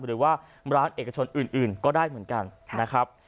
หรือว่าร้านต่าเชิญชนอื่นก็ได้เหมือนกัน